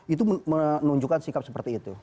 itu menunjukkan sikap seperti itu